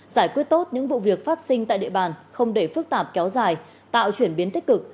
giải quyết tốt những vụ việc phát sinh tại địa bàn không để phức tạp kéo dài tạo chuyển biến tích cực